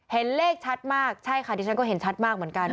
เห็นเลขชัดมากใช่ค่ะดิฉันก็เห็นชัดมากเหมือนกัน